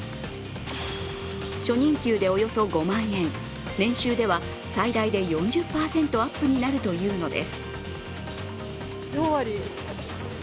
初任給でおよそ５万円、年収では最大で４０％アップになるというのです。